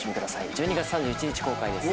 １２月３１日公開です。